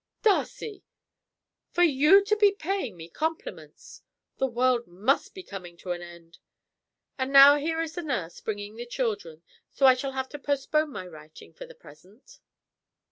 "Darcy! for you to be paying me compliments! The world must be coming to an end. And now here is nurse bringing the children, so I shall have to postpone my writing for the present."